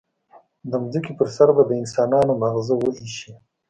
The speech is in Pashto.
د ځمکې پر سر به د انسانانو ماغزه وایشي.